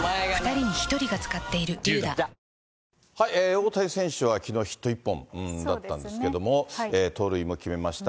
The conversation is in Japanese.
大谷選手はきのうヒット１本だったんですけれども、盗塁も決めました。